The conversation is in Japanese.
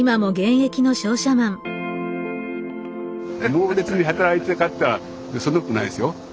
モーレツに働いてたかっていったらそんなことないですよ。